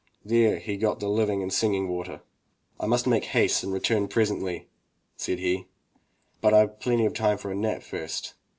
There he got the living and singing water. "I must make haste and return presently, said he, "but Fve plenty of time for a nap first.